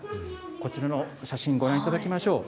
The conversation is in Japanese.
こちらの写真、ご覧いただきましょう。